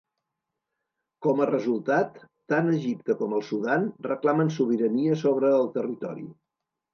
Com a resultat, tant Egipte com el Sudan reclamen sobirania sobre el territori.